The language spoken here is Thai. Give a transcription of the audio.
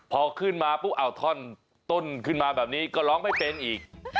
พอขึ้นมาปุ๊บเอาท่อนต้นขึ้นมาแบบนี้ก็ร้องไม่เป็นอีก